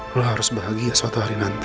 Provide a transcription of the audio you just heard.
lo harus bahagia suatu hari nanti